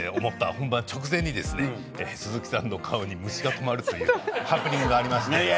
本番直前に鈴木さんの顔に虫が止まるというハプニングがありました。